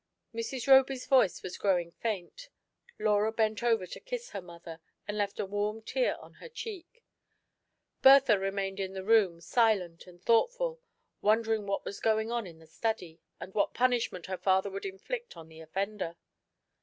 *' Mrs. Roby's voice was growing faint. Laura bent over to kiss her mother, and left a warm tear on her cheek. Bertha remained in the room, silent and thought ful, wondering what was going on in the study, and what punishment her father would inflict on the offender.